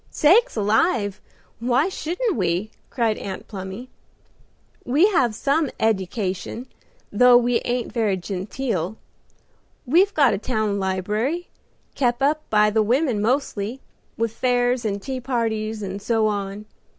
"Sakes alive, why shouldn't we?" cried Aunt Plumy. "We have some eddication, though we ain't very genteel. We've got a town libry, kep up by the women mostly, with fairs and tea parties and so on.